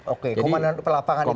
oke komandan lapangan itu kan